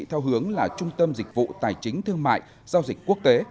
theo hướng là trung tâm dịch vụ tài chính thương mại giao dịch quốc tế